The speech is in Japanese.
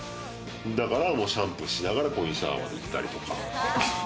だからシャンプーしながらコインシャワーまで行ったりとか。